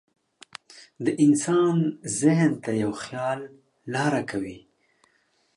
د انسان ذهن ته یو خیال لاره کوي.